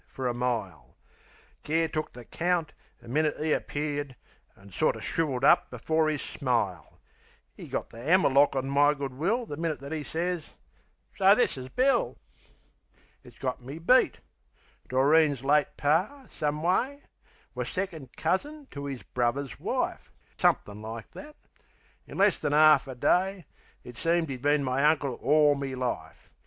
fer a mile: Care took the count the minute 'e appeared, An' sorter shrivelled up before 'is smile, 'E got the 'ammer lock on my good will The minute that 'e sez, "So, this is Bill." It's got me beat. Doreen's late Par, some way, Was second cousin to 'is bruvver's wife. Somethin' like that. In less than 'arf a day It seemed 'e'd been my uncle orl me life.